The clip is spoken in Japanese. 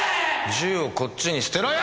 銃をこっちに捨てろよ！！